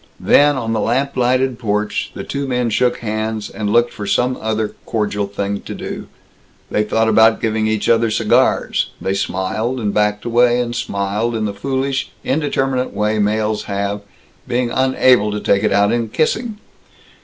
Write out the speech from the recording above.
Then, on the lamp lighted porch, the two men shook hands, and looked for some other cordial thing to do. They thought about giving each other cigars. They smiled, and backed away, and smiled, in the foolish, indeterminate way males have, being unable to take it out in kissing.